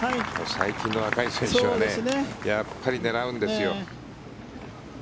最近の若い選手はやっぱり狙うんですよ。